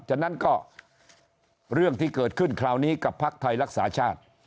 ฉะนั้นก็เรื่องที่เกิดขึ้นคราวนี้กับพักไทยรักษาชาติ